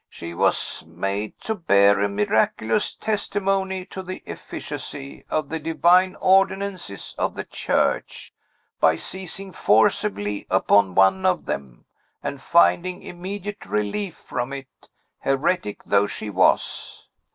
"She was made to bear a miraculous testimony to the efficacy of the divine ordinances of the Church, by seizing forcibly upon one of them, and finding immediate relief from it, heretic though she was.